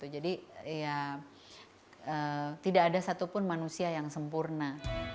jadi ya tidak ada satupun manusia yang sempurna